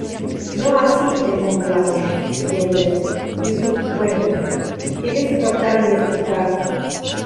No así el "Mont-Blanc" y el "Duguay-Trouin", quienes trataron de escapar.